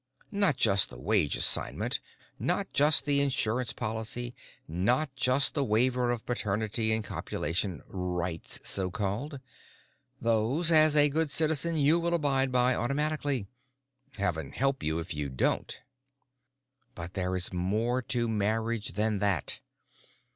Not just the wage assignment, not just the insurance policy, not just the waiver of paternity and copulation 'rights', so called. Those, as a good citizen, you will abide by automatically—Heaven help you if you don't. But there is more to marriage than that.